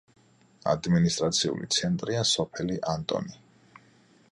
ადმინისტრაციული ცენტრია სოფელი ანტონი.